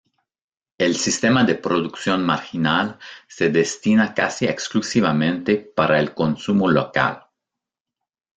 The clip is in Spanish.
El sistema de producción marginal se destina casi exclusivamente para el consumo local.